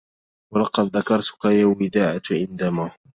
ولقد ذكرتك يا وداعة عندما